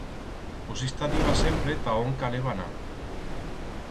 Pus ista diba sempre ta ón caleba anar.